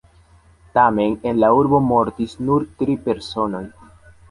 Tamen en la urbo mortis nur tri personoj.